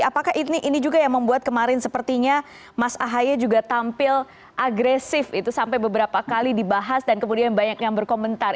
apakah ini juga yang membuat kemarin sepertinya mas ahaye juga tampil agresif itu sampai beberapa kali dibahas dan kemudian banyak yang berkomentar